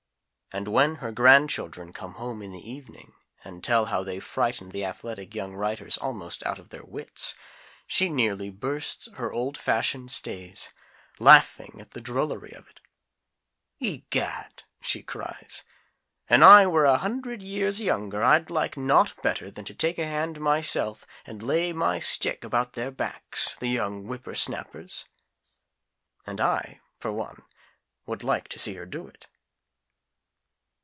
And when her grandchildren come home in the evening and tell how they frightened the athletic young writers almost out of their wits, she nearly bursts her old fashioned stays, laughing at the drollery of it. "Egad!" she cries. "An' I were an hundred years younger, I'd like nought better than to take a hand myself, and lay my stick about their backs, the young whippersnappers!" And I for one, would like to see her do it.